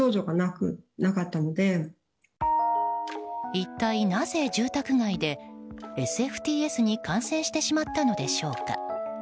一体なぜ、住宅街でＳＦＴＳに感染してしまったのでしょうか。